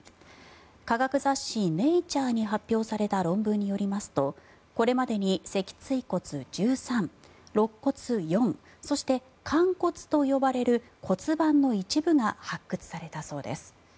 科学雑誌「ネイチャー」に発表された論文によりますとこれまでに脊椎骨１３ろっ骨４そして寛骨と呼ばれる骨盤の一部が発掘されたそうです。